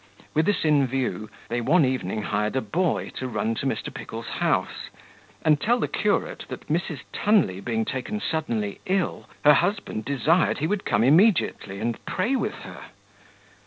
With this view, they one evening hired a boy to run to Mr. Pickle's house, and tell the curate that Mrs. Tunley being taken suddenly ill, her husband desired he would come immediately and pray with her.